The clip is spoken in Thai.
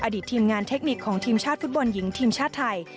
อดีตทีมงานเทคนิคของทีมชาติฟุตบอลหญิงทีมชาติไทย